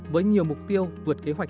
với nhiều mục tiêu vượt kế hoạch